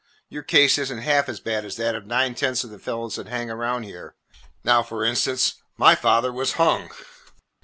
Your case is n't half as bad as that of nine tenths of the fellows that hang around here. Now, for instance, my father was hung."